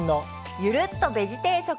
ゆるっとベジ定食。